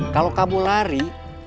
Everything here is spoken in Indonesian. kalau kamu lari